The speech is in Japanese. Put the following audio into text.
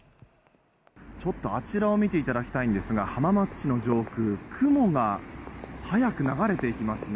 あちらを見ていただきたいんですが浜松市の上空雲が早く流れていきますね。